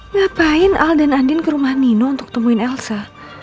ngapain al dan andin ke rumah nino untuk temuin elsa